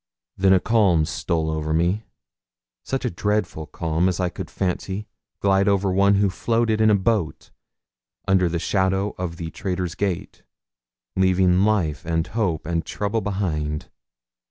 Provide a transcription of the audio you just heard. Then a calm stole over me such a dreadful calm as I could fancy glide over one who floated in a boat under the shadow of the 'Traitor's Gate,' leaving life and hope and trouble behind.